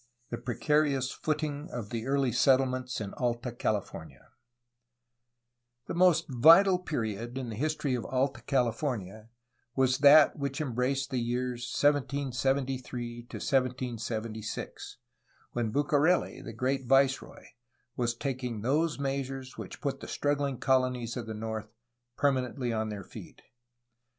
CHAPTER XIX PRECARIOUS FOOTING OF THE EARLY SETTLEMENTS IN ALTA CALIFORNIA The most vital period in the history of Alta California was that which embraced the years 1773 to 1776, when Bucareli, the great viceroy, was taking those measures which put the struggling colonies of the north permanently on their feet.